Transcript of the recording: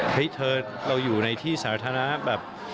เฮ้ยเธอเราอยู่ในที่สรรษณะแบบ